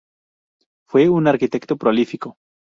Fue un arquitecto prolífico.